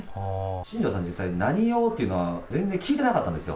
新庄さんに実際、何用って全然聞いてなかったんですよ。